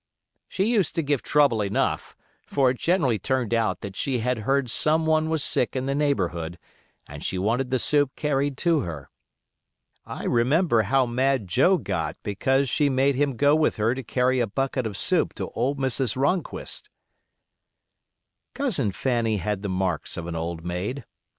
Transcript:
She used to give trouble enough; for it generally turned out that she had heard some one was sick in the neighborhood, and she wanted the soup carried to her. I remember how mad Joe got because she made him go with her to carry a bucket of soup to old Mrs. Ronquist. Cousin Fanny had the marks of an old maid.